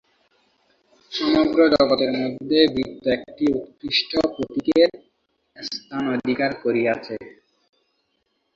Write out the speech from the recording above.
সমগ্র জগতের মধ্যে বৃত্ত একটি উৎকৃষ্ট প্রতীকের স্থান অধিকার করিয়াছে।